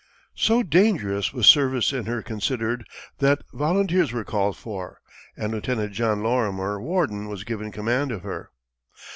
So dangerous was service in her considered, that volunteers were called for, and Lieutenant John Lorimer Worden was given command of her.